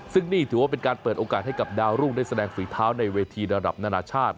ซึ่งนี่ถือว่าเป็นการเปิดโอกาสให้กับดาวรุ่งได้แสดงฝีเท้าในเวทีระดับนานาชาติ